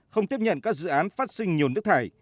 không tiếp nhận các dự án phát sinh nhồn nước thải